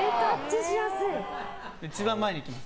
一番前に行きます。